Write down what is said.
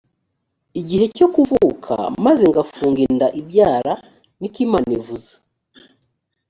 igihe cyo kuvuka maze ngafunga inda ibyara ni ko imana ivuze